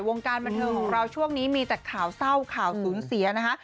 วงการบันเทิงของเราช่วงนี้มีแต่ข่าวเศร้าข่าวสูญเสียนะคะ